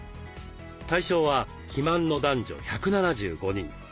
対象は肥満の男女１７５人。